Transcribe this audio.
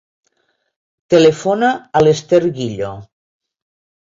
Telefona a l'Esther Guillo.